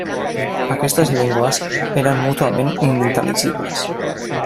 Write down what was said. Aquestes llengües eren mútuament inintel·ligibles.